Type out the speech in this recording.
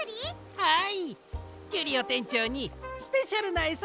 はい。